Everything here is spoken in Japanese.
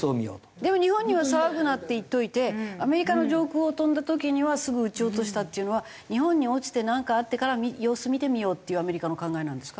でも日本には騒ぐなって言っておいてアメリカの上空を飛んだ時にはすぐ撃ち落としたっていうのは日本に落ちてなんかあってから様子見てみようっていうアメリカの考えなんですか？